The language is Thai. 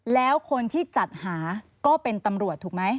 แล้วคนที่จัดหาก็เป็นตำรวจถูกไหม